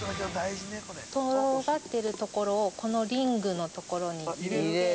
◆とがってるところをこのリングのところに入れて。